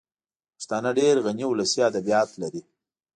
پښتانه ډېر غني ولسي ادبیات لري